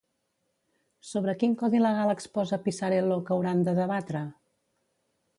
Sobre quin codi legal exposa Pisarello que hauran de debatre?